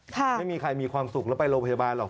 ไม่มีใครมีความสุขแล้วไปโรงพยาบาลหรอก